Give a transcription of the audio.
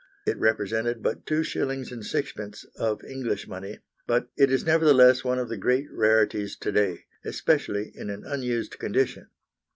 It represented but two shillings and sixpence of English money, but it is nevertheless one of the great rarities to day, especially in an unused condition.